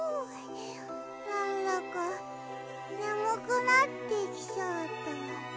なんだかねむくなってきちゃった。